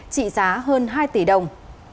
trị giá hơn hai tỷ đồng